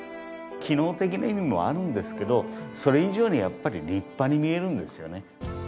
機能的な意味もあるんですけどそれ以上にやっぱり立派に見えるんですよね。